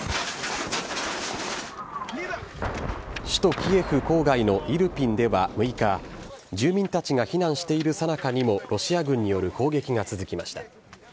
首都キエフ郊外のイルピンでは６日、住民たちが避難しているさなかにも、ロシア軍による攻撃が続きました。